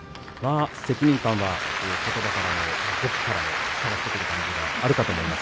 責任感がことばからも伝わってくる感じがあると思います。